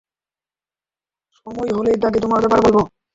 সময় হলেই তাকে তোমার ব্যাপারে বলবো।